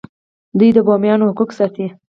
دوی د بومیانو حقوق ساتي.